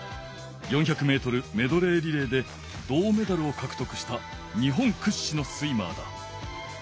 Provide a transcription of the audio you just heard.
４００メートルメドレーリレーで銅メダルをかくとくした日本くっしのスイマーだ。